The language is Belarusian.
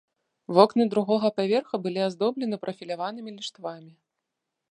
Вокны другога паверха былі аздоблены прафіляванымі ліштвамі.